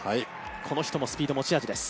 この人もスピードが持ち味です。